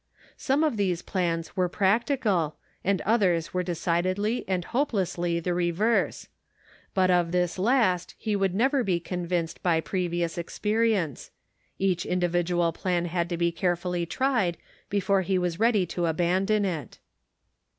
Some of these plans were practical, and others were decidedly and hopelessly the reverse ; but of this last he could never be convinced by previous experience ; each individual plan had to be faithfully tried before he was ready to abandon it.